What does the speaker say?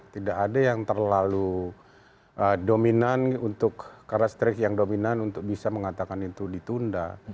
tidak ada yang terlalu dominan untuk karakteristik yang dominan untuk bisa mengatakan itu ditunda